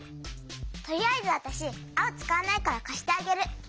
とりあえずわたしあおつかわないからかしてあげる。